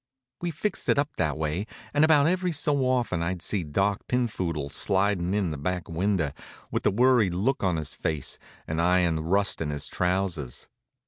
We fixed it up that way, and about every so often I'd see Doc Pinphoodle slidin' in the back window, with a worried look on his face, and iron rust on his trousers.